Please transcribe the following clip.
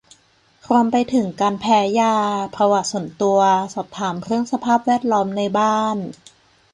รวมไปถึงการแพ้ยา ประวัติส่วนตัว สอบถามเรื่องสภาพแวดล้อมในบ้าน